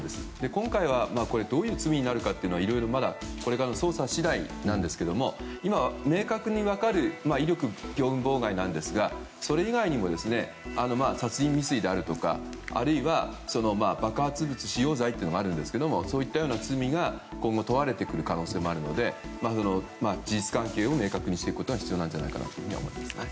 今回はどういう罪になるかというのはいろいろまだこれからの捜査次第ですが明確に分かる威力業務妨害なんですがそれ以外にも殺人未遂であるとかあるいは爆発物使用罪というのもあるんですけれどもそういったような罪が今後問われてくる可能性もあるので事実関係を明確にしていくことが必要だと思います。